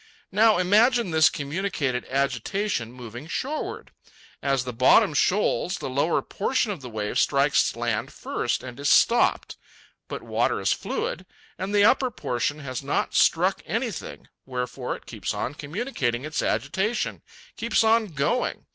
Now imagine this communicated agitation moving shoreward. As the bottom shoals, the lower portion of the wave strikes land first and is stopped. But water is fluid, and the upper portion has not struck anything, wherefore it keeps on communicating its agitation, keeps on going.